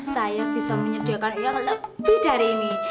saya bisa menyediakan uang lebih dari ini